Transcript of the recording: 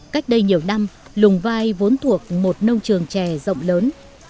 cách đây nhiều năm lùng vai vốn thuộc một nông trường chè rộng lớn